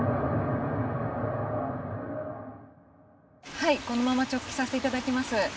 はいこのまま直帰させていただきます。